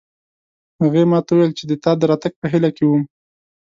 هغې ما ته وویل چې د تا د راتګ په هیله کې وم